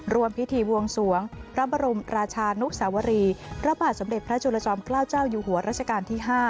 รวมพิธีบวงสวงพระบรมราชานุสวรีพระบาทสมเด็จพระจุลจอมเกล้าเจ้าอยู่หัวรัชกาลที่๕